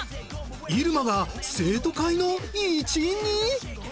入間が生徒会の一員に？